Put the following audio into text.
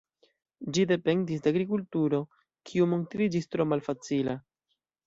Ĝi dependis de agrikulturo, kiu montriĝis tro malfacila.